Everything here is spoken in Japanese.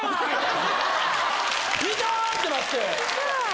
イタ！ってなって。